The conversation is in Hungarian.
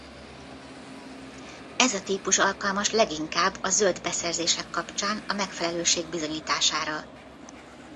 Ez a típus alkalmas leginkább a zöld beszerzések kapcsán a megfelelőség bizonyítására.